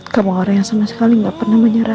kamu orang yang sama sekali nggak pernah menyerah